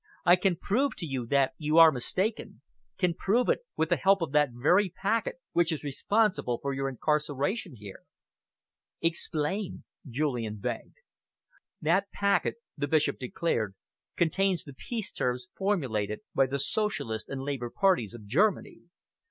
I can prove to you that you are mistaken can prove it, with the help of that very packet which is responsible for your incarceration here." "Explain," Julian begged. "That packet," the Bishop declared, "contains the peace terms formulated by the Socialist and Labour parties of Germany."